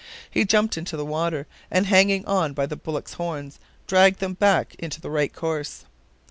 He jumped into the water, and hanging on by the bullocks' horns, dragged them back into the right course.